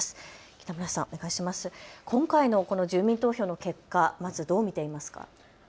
北村さん、今回のこの住民投票の結果、まずどう見ていますか。